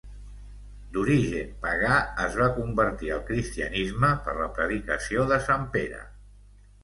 D'origen pagà, es va convertir al cristianisme per la predicació de Sant Pere.